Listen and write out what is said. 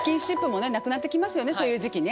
そういう時期ね